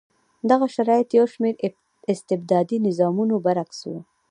دغه شرایط د یو شمېر استبدادي نظامونو برعکس و.